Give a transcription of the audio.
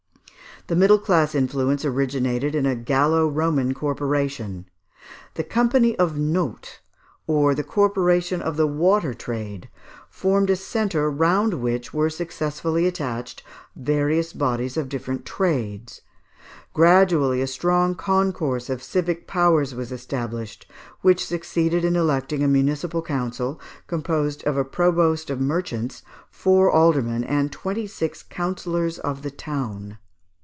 The middle class influence originated in a Gallo Roman corporation. The Company of Nautes or "the Corporation of the Water Trade," formed a centre round which were successively attached various bodies of different trades. Gradually a strong concourse of civic powers was established, which succeeded in electing a municipal council, composed of a provost of merchants, four aldermen, and twenty six councillors of the town.